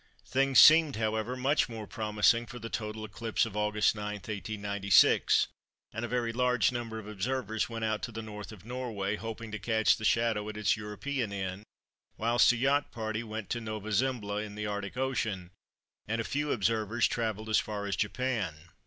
Things seemed, however, much more promising for the total eclipse of Aug. 9, 1896, and a very large number of observers went out to the North of Norway hoping to catch the shadow at its European end, whilst a yacht party went to Nova Zembla in the Arctic Ocean, and a few observers travelled as far as Japan.